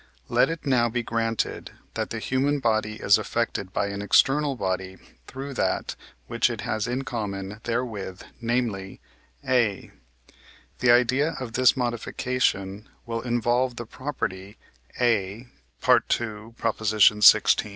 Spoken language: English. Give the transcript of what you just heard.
Let it now be granted, that the human body is affected by an external body through that, which it has in common therewith, namely, A; the idea of this modification will involve the property A (II. xvi.)